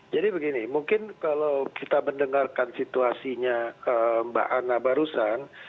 jadi begini mungkin kalau kita mendengarkan situasinya mbak ana barusan